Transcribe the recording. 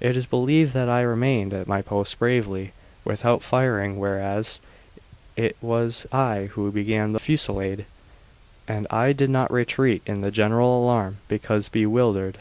It is believed that I remained at my post bravely, without firing, whereas it was I who began the fusillade, and I did not retreat in the general alarm because bewildered.